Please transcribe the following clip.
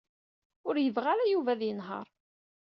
Ur yebɣi ara Yuba ad yenheṛ.